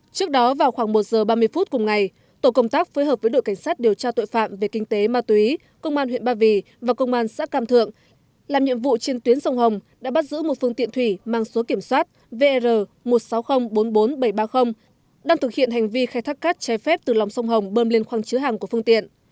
trước đó vào khoảng một giờ ba mươi phút cùng ngày tổ công tác phối hợp với đội cảnh sát điều tra tội phạm về kinh tế ma túy công an huyện ba vì và công an xã cam thượng làm nhiệm vụ trên tuyến sông hồng đã bắt giữ một phương tiện thủy mang số kiểm soát vr một mươi sáu nghìn bốn mươi bốn bảy trăm ba mươi đang thực hiện hành vi khai thác cát trái phép từ lòng sông hồng bơm lên khoang chứa hàng của phương tiện